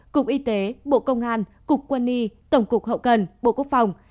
cục y tế bộ công an cục quân y tổng cục hậu cần bộ quốc phòng